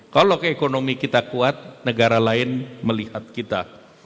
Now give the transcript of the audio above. kalau keekonomi kita kuat negara lain melihat kita